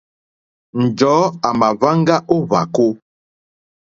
Njɔ̀ɔ́ à mà hwáŋgá ó hwàkó.